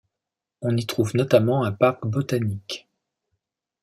On y trouve notamment un parc botanique.